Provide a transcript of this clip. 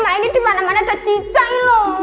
aku mau pergi dulu